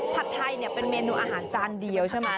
ผัดไทยเนี่ยเป็นเมนูอาหารจานเดียวใช่ไหม